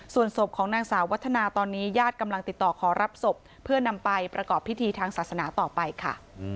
ส่วนศพของนางสาววัฒนาตอนนี้ญาติกำลังติดต่อขอรับศพเพื่อนำไปประกอบพิธีทางศาสนาต่อไปค่ะ